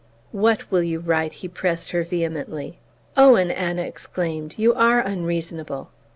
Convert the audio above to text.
"WHAT will you write?" he pressed her vehemently. "Owen," Anna exclaimed, "you are unreasonable!"